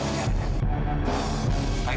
bapak kamu yang akan ditahan